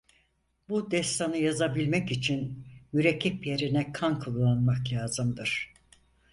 Bu destanı yazabilmek için mürekkep yerine kan kullanmak lazımdır.